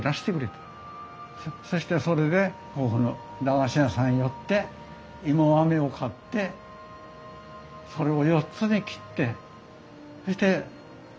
そしてそれでここの駄菓子屋さん寄って芋あめを買ってそれを４つに切ってそして一つずつ食べました。